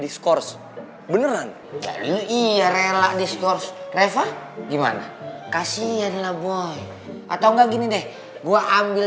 diskors beneran ini iya rela diskors reva gimana kasian lah boy atau enggak gini deh gua ambil